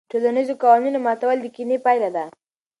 د ټولنیزو قوانینو ماتول د کینې پایله ده.